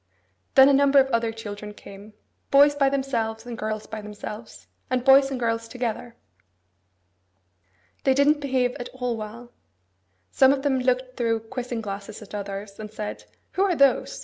Then a number of other children came; boys by themselves, and girls by themselves, and boys and girls together. They didn't behave at all well. Some of them looked through quizzing glasses at others, and said, 'Who are those?